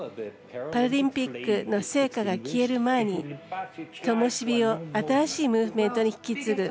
パラリンピックの聖火が消える前にともし火を新しいムーブメントに引き継ぐ。